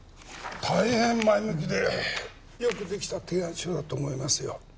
大変前向きでよくできた提案書だと思いますよ